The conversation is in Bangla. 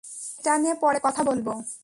এটা নিয়ে পরে কথা বলব।